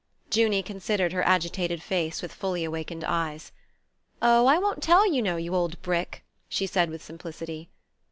Junie considered her agitated face with fully awakened eyes. "Oh, I won't tell, you know, you old brick," she said with simplicity.